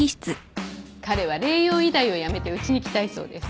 彼は麗洋医大を辞めてうちに来たいそうです。